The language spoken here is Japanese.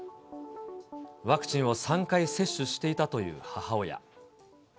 ワクチンを３回接種していたという母親。